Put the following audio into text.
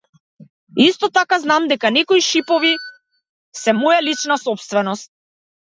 Исто така знам дека некои шипови се моја лична сопственост.